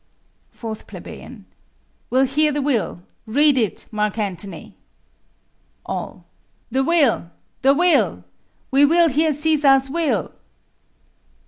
4 Ple. We'll hear the will: Read it, Mark Antony. All. The will! the will! we will hear Cæsar's will.